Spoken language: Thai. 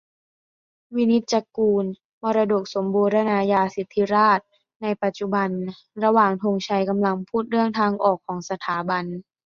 วินิจจะกูล 'มรดกสมบูรณาญาสิทธิราชย์ในปัจจุบัน' ระหว่างธงชัยกำลังพูดเรื่องทางออกของสถาบัน